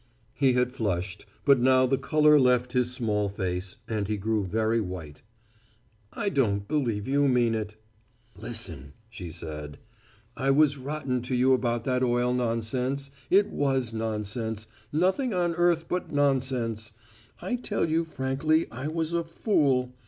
He had flushed, but now the colour left his small face, and he grew very white. "I don't believe you mean it." "Listen," she said. "I was rotten to you about that oil nonsense. It was nonsense, nothing on earth but nonsense. I tell you frankly I was a fool.